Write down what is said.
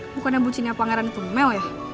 bukannya bucinya pangeran itu mel ya